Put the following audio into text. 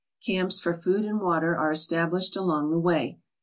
Camps for food and water are established along the road.